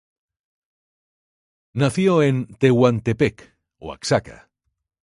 Nació en Tehuantepec, Oaxaca.